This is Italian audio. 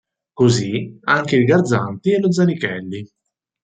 Così anche il Garzanti e lo Zanichelli.